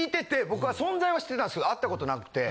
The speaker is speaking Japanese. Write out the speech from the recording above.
僕は存在は知ってたんですけど会ったことなくて。